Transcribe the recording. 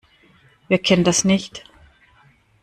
Wer kennt das nicht?